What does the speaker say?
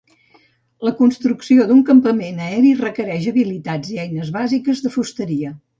La construcció d'un campament aeri requereix habilitats i eines bàsiques de fusteria.